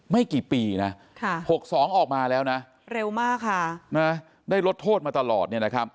ไม่กี่ปีนะ๖๒ออกมาแล้วนะเร็วมากค่ะนะได้ลดโทษมาตลอด